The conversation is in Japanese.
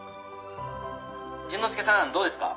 淳之介さんどうですか？